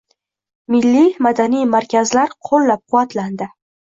Milliy madaniy markazlar qo‘llab-quvvatlandi